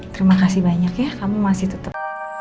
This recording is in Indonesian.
terima kasih banyak ya kamu masih tetap